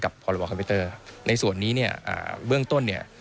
พรบคอมพิวเตอร์ในส่วนนี้เนี่ยเบื้องต้นเนี่ย